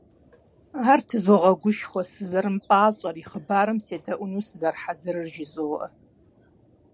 Ар тызогъэгушхуэ, сызэрымыпӀащӀэр, и хъыбарым седэӀуэну сызэрыхьэзырыр жызоӀэ.